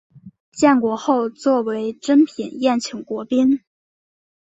建国后作为珍品宴请国宾。